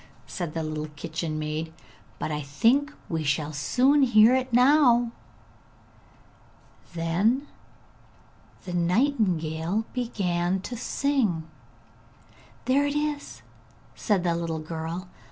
said the little kitchen maid. 'But I think we shall soon hear it now!' Then the nightingale began to sing. 'There it is!' said the little girl.